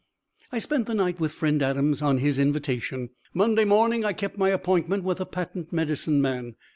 I spent the night with friend Adams, on his invitation. Monday morning I kept my appointment with the patent medicine man.